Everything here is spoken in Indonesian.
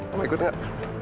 kamu ikut nggak